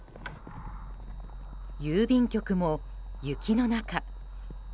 郵便局も雪の中。